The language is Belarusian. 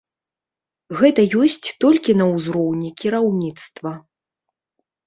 Гэта ёсць толькі на ўзроўні кіраўніцтва.